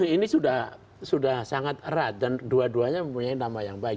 ini sudah sangat erat dan dua duanya mempunyai nama yang baik